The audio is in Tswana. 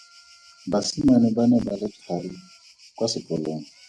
Basimane ba ne ba le thari kwa sekolong.